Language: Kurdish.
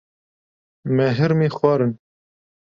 Me hirmî xwarin.